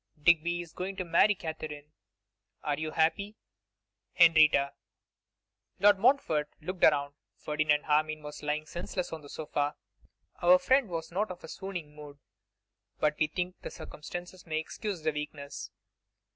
Digby is going to marry Katherine; are you happy? Henrietta.' Lord Montfort looked round; Ferdinand Armine was lying senseless on the sofa. Our friend was not of a swooning mood, but we think the circumstances may excuse the weakness.